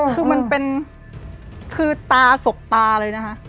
คือมันเป็นคือตาสบตาเลยนะคะ